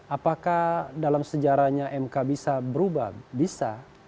apakah dalam sejarahnya mk bisa berubah bisa